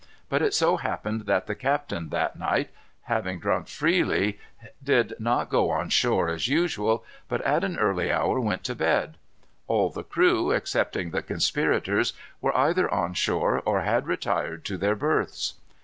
But it so happened that the captain, that night, having drank deeply, did not go on shore as usual, but, at an early hour, went to bed. All the crew, excepting the conspirators, were either on shore or had retired to their berths.